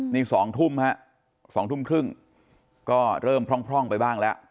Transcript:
นี่๒ทุ่มฮะ๒ทุ่มครึ่งก็เริ่มพร่องไปบ้างแล้ว